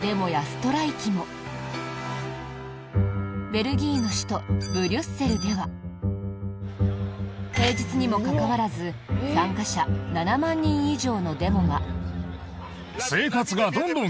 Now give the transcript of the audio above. ベルギーの首都ブリュッセルでは平日にもかかわらず参加者７万人以上のデモが。